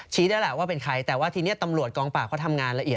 จริงผมคิดว่าที่ตำรวจทำมาตอนนี้